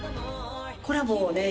コラボをね